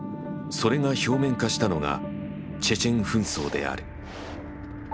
それが表面化したのがチェチェン紛争である。